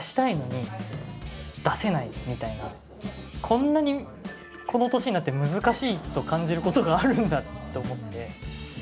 こんなにこの年になって難しいと感じることがあるんだと思って。